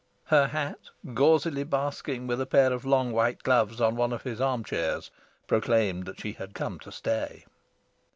Her hat, gauzily basking with a pair of long white gloves on one of his arm chairs, proclaimed that she had come to stay.